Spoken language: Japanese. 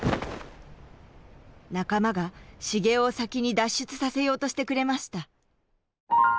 仲間が繁雄を先に脱出させようとしてくれました。